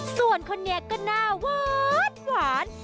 ส่วนคนนี้ก็หน้าหวาน